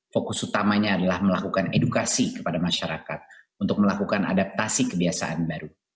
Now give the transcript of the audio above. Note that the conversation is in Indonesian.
fokus utamanya adalah melakukan edukasi kepada masyarakat untuk melakukan adaptasi kebiasaan baru